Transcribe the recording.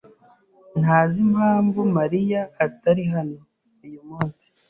ntazi impamvu Mariya atari hano uyu munsi.